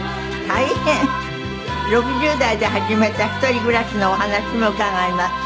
６０代で始めた一人暮らしのお話も伺います。